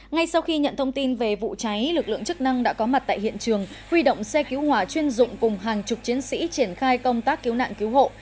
ngay sau khi nhận thông tin về vụ cháy lực lượng chức năng đã có mặt tại hiện trường huy động xe cứu hỏa chuyên dụng cùng hàng chục chiến sĩ triển khai công tác cứu nạn cứu hộ